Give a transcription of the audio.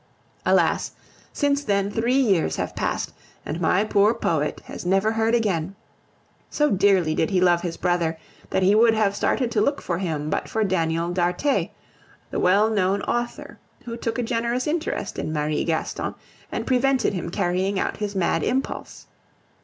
Alas! since then three years have passed, and my poor poet has never heard again. So dearly did he love his brother, that he would have started to look for him but for Daniel d'Arthez, the well known author, who took a generous interest in Marie Gaston, and prevented him carrying out his mad impulse.